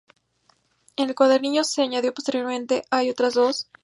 En el cuadernillo que se añadió posteriormente hay otras dos "laude" con notación musical.